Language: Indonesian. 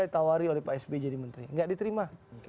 ditawari oleh pak sp jadi menteri gak diterima